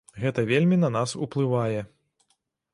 Гэта вельмі на нас уплывае.